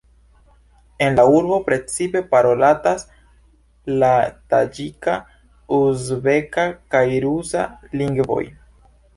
En la urbo precipe parolatas la taĝika, uzbeka kaj rusa lingvoj.